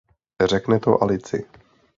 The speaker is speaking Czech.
Řekne to Alici.